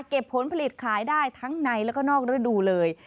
ผลผลิตขายได้ทั้งในแล้วก็นอกฤดูเลย